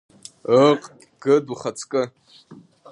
Ыыҟ, Гыд ухаҵкы…